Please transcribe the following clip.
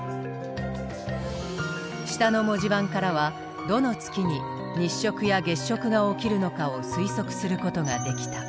下の文字盤からはどの月に日食や月食が起きるのかを推測することができた。